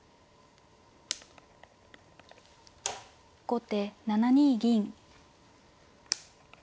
後手７二銀。